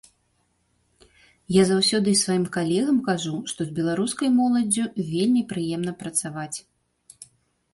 Я заўсёды і сваім калегам кажу, што з беларускай моладдзю вельмі прыемна працаваць.